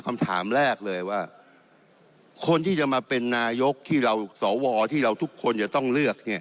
คำถามแรกเลยว่าคนที่จะมาเป็นนายกที่เราสวที่เราทุกคนจะต้องเลือก